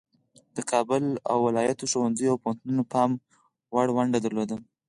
د کابل او ولایاتو ښوونځیو او پوهنتونونو پام وړ ونډه درلوده.